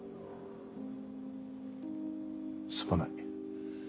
すまない。